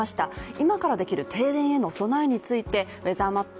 今からできる停電への備えについてウェザーマップ